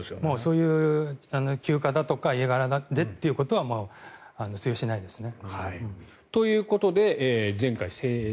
そういう旧家だとか、家柄でってことは通用しないですね。